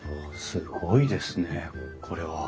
すごいですねこれは。